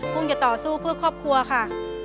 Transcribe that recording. กุ้งอย่าต่อสู้เพื่อครอบครัวค่ะ